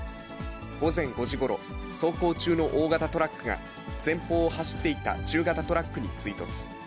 午前５時ごろ、走行中の大型トラックが、前方を走っていた中型トラックに追突。